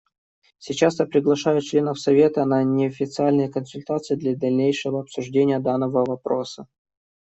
Сейчас я приглашаю членов Совета на неофициальные консультации для дальнейшего обсуждения данного вопроса.